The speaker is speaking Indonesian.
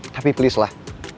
tapi please lah